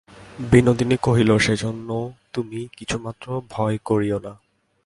বিনোদিনী কহিল, সেজন্য তুমি কিছুমাত্র ভয় করিয়ো না।